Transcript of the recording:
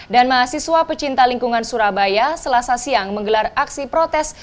mahasiswa pecinta lingkungan surabaya selasa siang menggelar aksi protes